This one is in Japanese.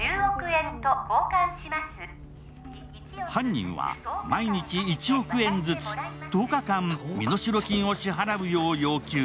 犯人は毎日１億円ずつ１０日間身代金を支払うよう要求。